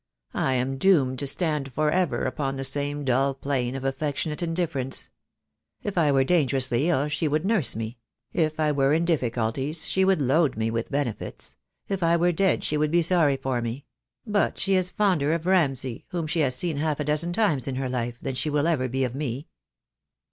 I am doomed to stand for ever upon the same dull plane of affectionate indifference. If I were danger 272 THE DAY WILL COME. ously ill she would nurse me; if I were in difficulties she would load me with benefits; if I were dead she would be sorry for me; but she is fonder of Ramsay, whom she has seen half a dozen times in her life, than she will ever be of me."